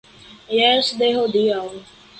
Jes, de hodiaŭ.